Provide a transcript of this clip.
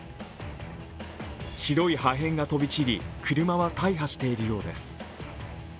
白い破片が飛び散り、車は大破しているようです。